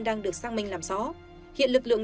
đang được xác minh làm rõ hiện lực lượng